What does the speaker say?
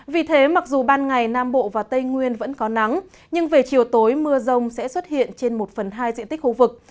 vì thế mặc dù ban ngày nam bộ và tây nguyên vẫn có nắng nhưng về chiều tối mưa rông sẽ xuất hiện trên một phần hai diện tích khu vực